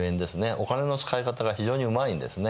お金の使い方が非常にうまいんですね。